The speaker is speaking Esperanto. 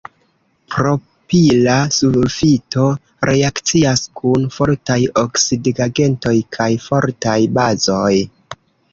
Propila sulfito reakcias kun fortaj oksidigagentoj kaj fortaj bazoj.